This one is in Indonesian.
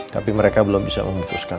tapi mereka belum bisa memutuskan